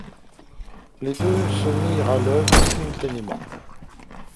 Les deux se mirent à l’œuvre simultanément.